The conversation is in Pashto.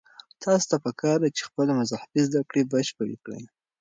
تاسو ته پکار ده چې خپلې مذهبي زده کړې بشپړې کړئ.